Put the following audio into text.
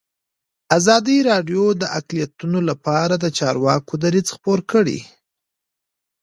ازادي راډیو د اقلیتونه لپاره د چارواکو دریځ خپور کړی.